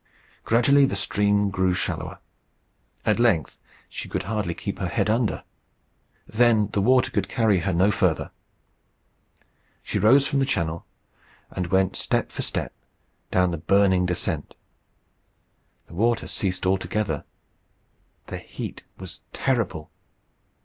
Gradually the stream grew shallower. At length she could hardly keep her head under. Then the water could carry her no farther. She rose from the channel, and went step for step down the burning descent. The water ceased altogether. The heat was terrible.